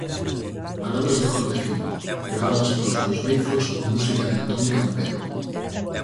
Palabras de corte fino, gravadas polos meus beizos coa música de Antón Campelo.